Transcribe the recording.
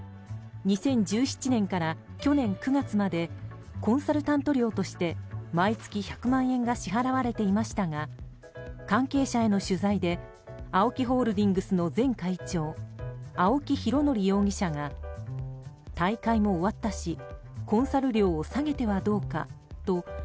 ２０１７年から去年９月までコンサルタント料として毎月１００万円が支払われていましたが関係者への取材でＡＯＫＩホールディングスの前会長、青木拡憲容疑者が大会も終わったしコンサル料を下げてはどうかとＡＯＫＩ